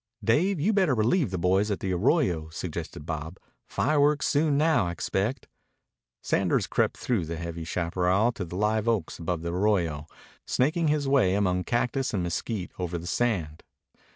"Dave, you better relieve the boys at the arroyo," suggested Bob. "Fireworks soon now, I expect." Sanders crept through the heavy chaparral to the liveoaks above the arroyo, snaking his way among cactus and mesquite over the sand.